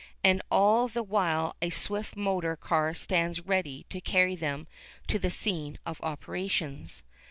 And all the while a swift motor car stands ready to carry them to the scene of operations.